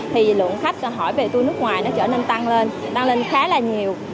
thì lượng khách hỏi về tui nước ngoài nó trở nên tăng lên tăng lên khá là nhiều